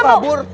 lo mau kabur